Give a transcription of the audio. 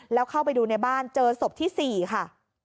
แล้วเข้าไปดูในบ้านเจอศพที่๔ค่ะ